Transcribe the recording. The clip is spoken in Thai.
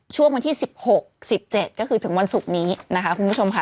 ช่วงวันที่๑๖๑๗ก็คือถึงวันศุกร์นี้นะคะคุณผู้ชมค่ะ